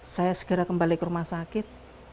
saya segera kembali ke rumah sakit